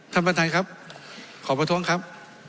ท่านประธานครับขอประท้วงครับ